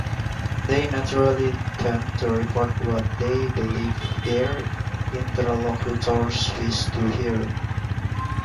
They naturally tend to report what they believe their interlocutors wish to hear.